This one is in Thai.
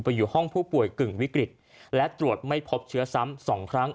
อยู่ห้องผู้ป่วยกึ่งวิกฤตและตรวจไม่พบเชื้อซ้ำสองครั้ง